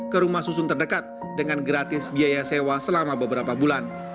ke rumah susun terdekat dengan gratis biaya sewa selama beberapa bulan